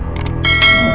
laki laki itu masih hidup